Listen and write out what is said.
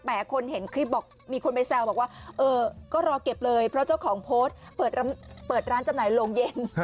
คนเห็นคลิปบอกมีคนไปแซวบอกว่าเออก็รอเก็บเลยเพราะเจ้าของโพสต์เปิดร้านจำหน่ายโรงเย็น